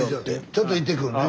ちょっと行ってくるね。